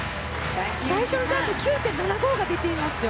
最初のジャンプ９．７５が出ていますよ。